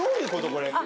これ。